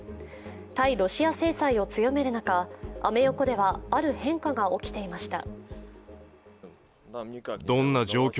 対ロシア制裁を強める中、アメ横ではある変化が起きていました。